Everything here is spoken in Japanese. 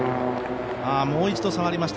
もう一度触りました。